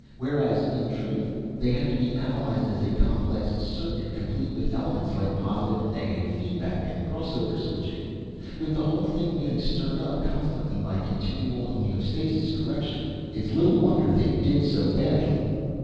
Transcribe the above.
Whereas in truth they had to be analyzed as a complex circuit complete with elements like positive and negative feedback, and crossover switching. With the whole thing being stirred up constantly by continual homeostasis correction. It's little wonder they did do badly."